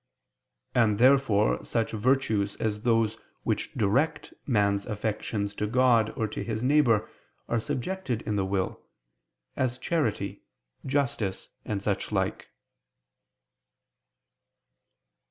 And therefore such virtues as those which direct man's affections to God or to his neighbor are subjected in the will, as charity, justice, and such like.